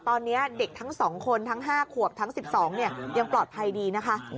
ตอนนี้เด็กทั้ง๒คนทั้ง๕ขวบทั้ง๑๒ยังปลอดภัยดีนะคะ